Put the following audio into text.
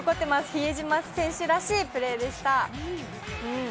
比江島選手らしいプレーでした。